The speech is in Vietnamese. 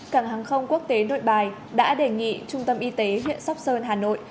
cảng hàng không quốc tế nội bài đã đề nghị trung tâm y tế huyện sóc sơn hà nội